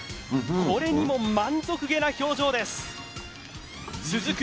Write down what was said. これにも満足げな表情です続く